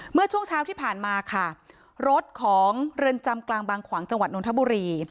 เมื่อช่วงเช้าที่ผ่านมาค่ะรถของเรือนจำกลางบางขวางจังหวัดนทบุรี